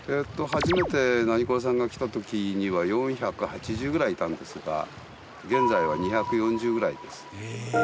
初めて『ナニコレ』さんが来た時には４８０ぐらいいたんですが現在は２４０ぐらいです。